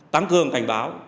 tăng cường cảnh báo